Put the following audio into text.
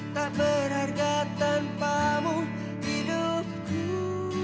tak berharga tanpamu hidupku